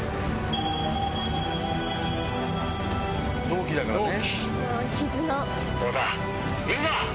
同期だからね。